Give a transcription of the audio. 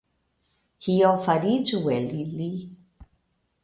Kio fariĝu el ili?